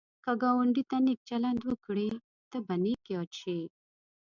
که ګاونډي ته نېک چلند وکړې، ته به نېک یاد شي